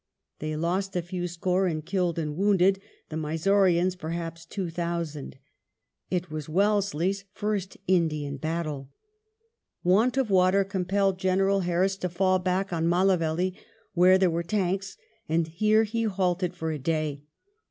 They lost a few score in killed and wounded ; the Mysoreans perhaps two thousand. It was Wellesley's first Indian battle. Want of water compelled General Harris to fall back on Mallavelly, where there were tanks, and here he halted for a day.